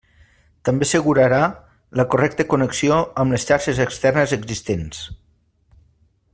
També assegurarà la correcta connexió amb les xarxes externes existents.